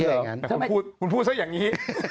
แล้วคุณพูดมัวแบบกว่าอย่างงี้